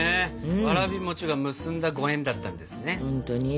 わらび餅が結んだご縁だったんですね。